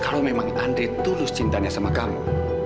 kalau memang andrei tulus cinta sama kamu